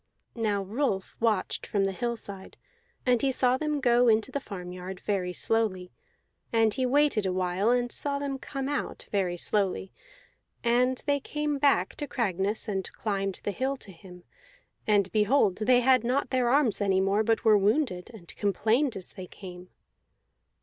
Now Rolf watched from the hillside, and he saw them go into the farmyard, very slowly; and he waited a while, and saw them come out, very slowly. And they came back to Cragness, and climbed the hill to him; and behold, they had not their arms any more, but were wounded, and complained as they came.